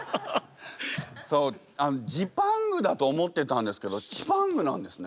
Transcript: そうジパングだと思ってたんですけどチパングなんですね。